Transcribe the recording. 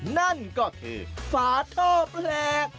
นั่นก็คือฝาท่อแปลก